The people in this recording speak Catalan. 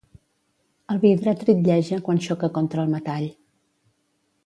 El vidre tritlleja quan xoca contra el metall.